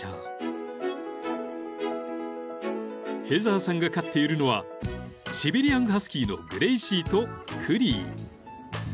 ［ヘザーさんが飼っているのはシベリアンハスキーのグレイシーとクリー］